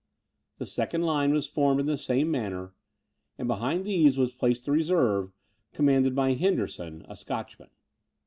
The second line was formed in the same manner; and behind these was placed the reserve, commanded by Henderson, a Scotchman.